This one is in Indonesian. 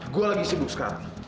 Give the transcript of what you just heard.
gue lagi sibuk sekarang